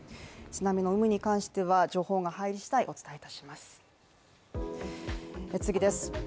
津波の有無に関しては、情報が入りしだい、お伝えいたします。